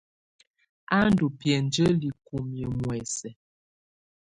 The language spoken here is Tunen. Á ndɔ́ biǝ́njǝ́li kúmiǝ́ muɛsɛ.